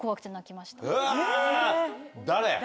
誰？